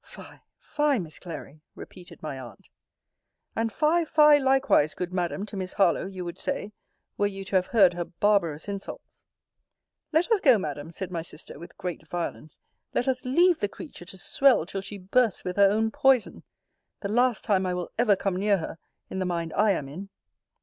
Fie, fie, Miss Clary! repeated my aunt. And fie, fie, likewise, good Madam, to Miss Harlowe, you would say, were you to have heard her barbarous insults! Let us go, Madam, said my sister, with great violence; let us leave the creature to swell till she bursts with her own poison. The last time I will ever come near her, in the mind I am in!